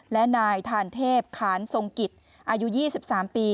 และนายทานเทพขานทรงกิจอายุ๒๓ปี